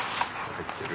入ってる。